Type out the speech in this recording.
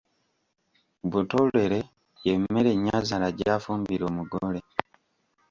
Butolere y’emmere nyazaala gy’afumbira omugole.